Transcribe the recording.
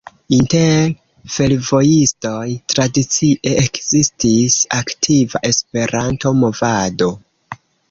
Inter fervojistoj tradicie ekzistis aktiva Esperanto-movado.